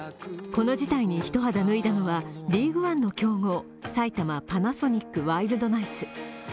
この事態に一肌脱いだのはＬＥＡＧＵＥＯＮＥの強豪埼玉パナソニックワイルドナイツ。